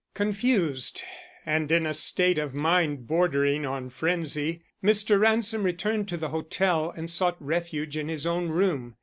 Confused, and in a state of mind bordering on frenzy, Mr. Ransom returned to the hotel and sought refuge in his own room.